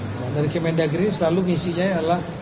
nah dari kemendagri selalu misinya adalah